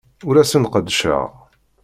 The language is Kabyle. Ur asen-d-qeddceɣ.